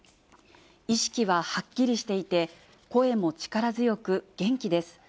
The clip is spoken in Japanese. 意識ははっきりしていて、声も力強く元気です。